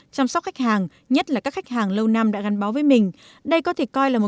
chăm sóc khách hàng nhất là các khách hàng lâu năm đã gắn báo với mình